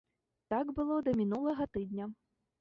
Так было да мінулага тыдня.